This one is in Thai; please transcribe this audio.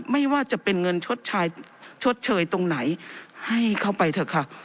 ไม่ว่าจะเป็นเงินชดเชยตรงไหนให้เข้าไปเถอะค่ะ